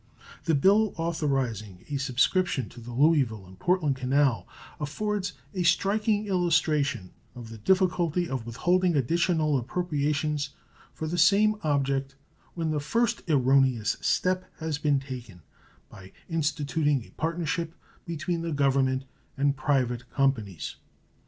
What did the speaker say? The bill authorizing a subscription to the Louisville and Portland Canal affords a striking illustration of the difficulty of withholding additional appropriations for the same object when the first erroneous step has been taken by instituting a partnership between the Government and private companies.